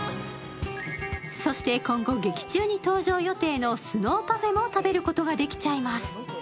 そして今後、劇中に登場予定のスノーパフェも食べることができちゃいます。